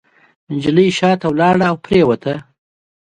نجلۍ شاته لاړه او پرېوته.